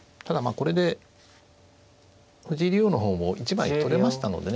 これで藤井竜王の方も一枚取れましたのでね